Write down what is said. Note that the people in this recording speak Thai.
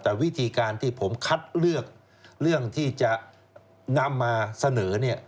แต่วิธีการที่ผมคัดเลือกเรื่องที่จะนำมาเสนอเนี่ย